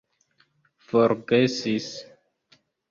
forgesis